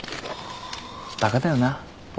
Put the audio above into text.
バカだよな俺。